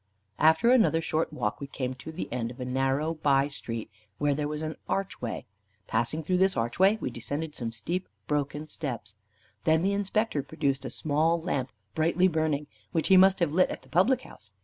After another short walk, we came to the end of a narrow by street, where there was an archway. Passing through this archway, we descended some steep and broken steps. Then the Inspector produced a small lamp brightly burning, which he must have lit at the public house.